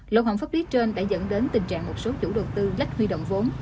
lộng hộng pháp lý trên đã dẫn đến tình trạng một số chủ đầu tư lách huy động vốn